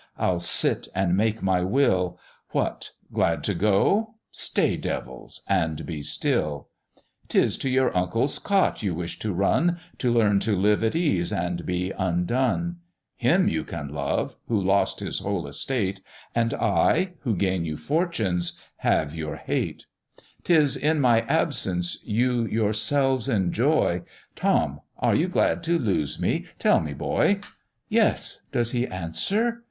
I'll sit and make my will What, glad to go? stay, devils, and be still; 'Tis to your Uncle's cot you wish to run, To learn to live at ease and be undone; Him you can love, who lost his whole estate, And I, who gain you fortunes, have your hate; 'Tis in my absence you yourselves enjoy: Tom! are you glad to lose me? tell me, boy: Yes! does he answer?